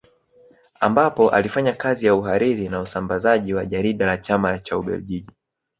Ambapo alifanya kazi ya uhariri na usambazaji wa jarida la Chama cha Ubeljiji